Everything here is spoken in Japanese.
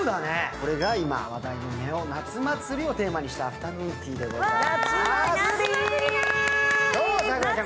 これが今話題の夏祭りをテーマにしたアフタヌーンティーでございます。